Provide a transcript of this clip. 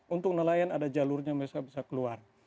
untuk nelayan ada jalurnya mereka bisa keluar